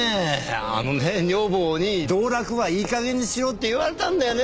あのね女房に道楽はいい加減にしろって言われたんだよね